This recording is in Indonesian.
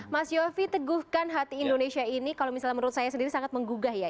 mas yofi teguhkan hati indonesia ini kalau misalnya menurut saya sendiri sangat menggugah ya